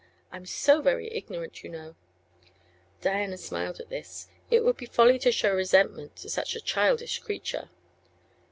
I'm so very ignorant, you know!" Diana smiled at this; it would be folly to show resentment to such a childish creature.